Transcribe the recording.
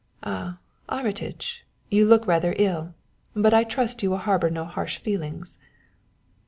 Ah, Armitage, you look rather ill, but I trust you will harbor no harsh feelings."